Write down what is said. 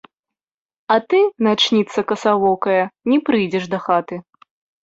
А ты, начніца касавокая, не прыйдзеш дахаты.